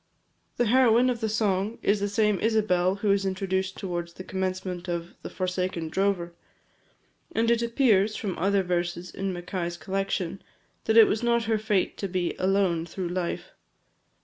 The heroine of the song is the same Isabel who is introduced towards the commencement of the "Forsaken Drover;" and it appears, from other verses in Mackay's collection, that it was not her fate to be "alone" through life.